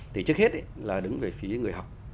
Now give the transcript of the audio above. thì trước hết là đứng về phía người học